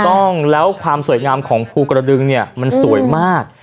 ถูกต้องแล้วความสวยงามของภูกระดึงเนี่ยมันสวยมาก